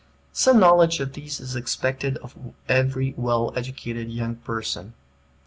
Some knowledge of these is expected of every well educated young person.